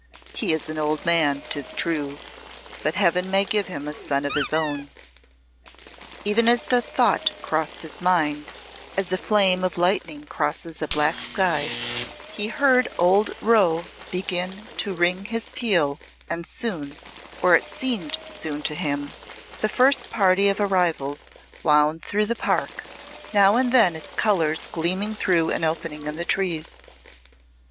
"He is an old man, 'tis true, but Heaven may give him a son of his own." Even as the thought crossed his mind as a flame of lightning crosses a black sky he heard old Rowe begin to ring his peal, and soon or it seemed soon to him the first party of arrivals wound through the park, now and then its colours gleaming through an opening in the trees.